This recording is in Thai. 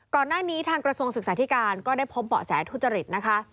ก่อนหน้านี้ทางกระทรวงศึกษาธิการก็ได้พบเบาะแสทุจริตนะคะ